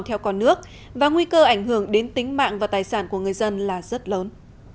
theo con nước và nguy cơ ảnh hưởng đến tính mạng và tài sản của người dân là rất lớn